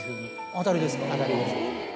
当たりです。